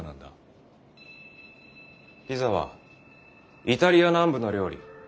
ピザはイタリア南部の料理